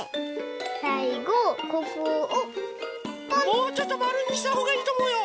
もうちょっとまるにしたほうがいいとおもうよ。